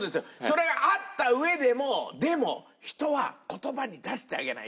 それがあったうえでもでも人は言葉に出してあげないと響かない。